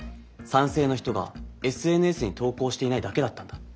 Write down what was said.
さんせいの人がＳＮＳに投稿していないだけだったんだ。